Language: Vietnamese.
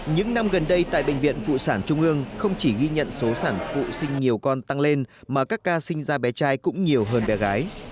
những năm gần đây tại bệnh viện phụ sản trung ương không chỉ ghi nhận số sản phụ sinh nhiều con tăng lên mà các ca sinh ra bé trai cũng nhiều hơn bé gái